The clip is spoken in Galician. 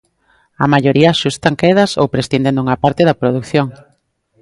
A maioría axustan quedas ou prescinden dunha parte da produción.